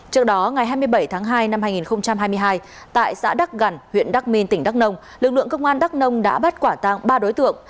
trước đó ngày hai mươi bảy tháng hai năm hai nghìn hai mươi hai tại xã đắk gần huyện đắk minh tỉnh đắk nông lực lượng công an đắk nông đã bắt quả tăng ba đối tượng